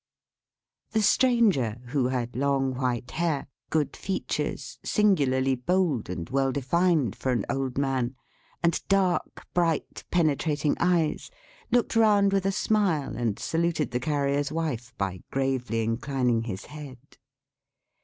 The Stranger, who had long white hair; good features, singularly bold and well defined for an old man; and dark, bright, penetrating eyes; looked round with a smile, and saluted the Carrier's wife by gravely inclining his head.